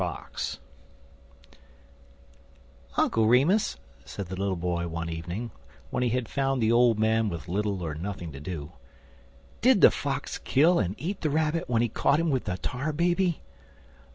FOX "UNCLE REMUS," said the little boy one evening, when he had found the old man with little or nothing to do, "did the fox kill and eat the rabbit when he caught him with the Tar Baby?"